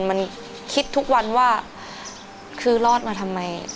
มันคิดทุกวันว่าคือรอดมาทำไม